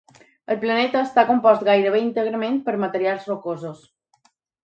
El planeta està compost gairebé íntegrament per materials rocosos.